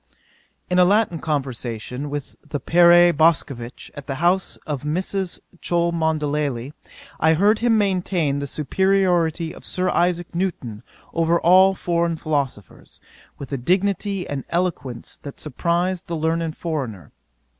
'In a Latin conversation with the Père Boscovitch, at the house of Mrs. Cholmondeley, I heard him maintain the superiority of Sir Isaac Newton over all foreign philosophers, with a dignity and eloquence that surprized that learned foreigner.